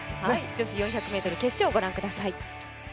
女子４００ｍ決勝をご覧ください。